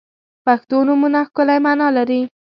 • پښتو نومونه ښکلی معنا لري.